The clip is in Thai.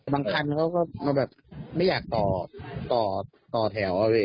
บางครั้งเขาก็ไม่อยากต่อแถว